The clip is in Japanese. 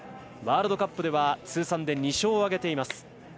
ワールドカップでは通算２勝を挙げています。